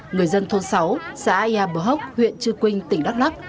người dân thôn sáu xã ea bờ hốc huyện chư quynh tỉnh đắk lắc